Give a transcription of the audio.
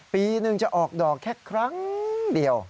ปีหนึ่งจะออกดอกแค่ครั้งเดียว